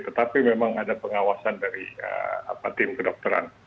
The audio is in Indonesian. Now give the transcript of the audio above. tetapi memang ada pengawasan dari tim kedokteran